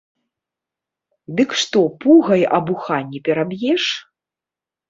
Дык што, пугай абуха не пераб'еш?